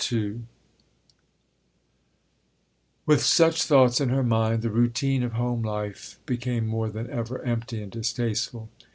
II With such thoughts in her mind, the routine of home life became more than ever empty and distasteful.